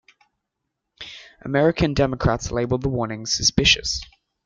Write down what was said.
American Democrats labeled the warning "suspicious".